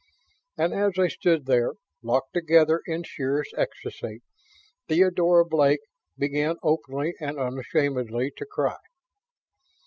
And as they stood there, locked together in sheerest ecstasy, Theodora Blake began openly and unashamedly to cry.